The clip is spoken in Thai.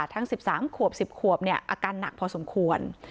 ทั้ง๑๓ขวบ๑๐ขวบอาการหนักพอสมควร